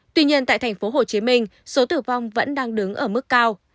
tuy nhiên tại tp hcm số tử vong vẫn đang đứng ở mức cao